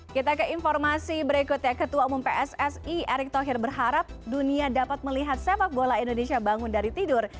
kita ke informasi berikutnya ketua umum pssi erick thohir berharap dunia dapat melihat sepak bola indonesia bangun dari tidur